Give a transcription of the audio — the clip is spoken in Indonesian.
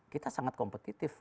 tujuh puluh kita sangat kompetitif